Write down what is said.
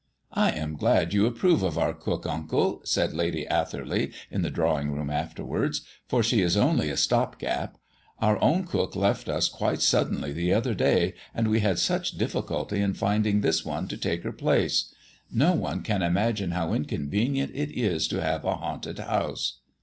"I am glad you approve of our cook, Uncle," said Lady Atherley in the drawing room afterwards, "for she is only a stop gap. Our own cook left us quite suddenly the other day, and we had such difficulty in finding this one to take her place. No one can imagine how inconvenient it is to have a haunted house."